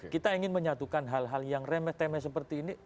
kita ingin menyatukan hal hal yang remeh temeh seperti ini